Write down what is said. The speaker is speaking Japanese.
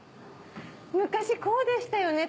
昔こうでしたよね